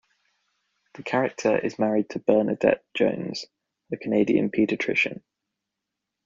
The character is married to Bernadette Jones, a Canadian pediatrician.